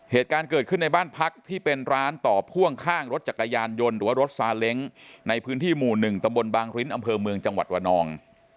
เหตุการณ์เกิดขึ้นในบ้านพักที่เป็นร้านต่อพ่วงข้างรถจักรยานยนต์หรือว่ารถซาเล้งในพื้นที่หมู่๑ตำบลบางริ้นอำเภอเมืองจังหวัดระนอง